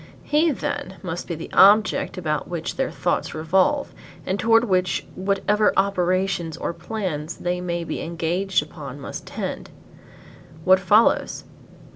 He, then, must be the object about which their thoughts revolve and toward which whatever operations or plans they may be engaged upon must tend. What follows?